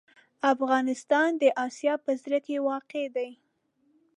افغانستان د اسیا په زړه کې واقع دی.